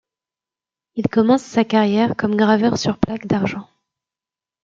Il commence sa carrière comme graveur sur plaques d'argent.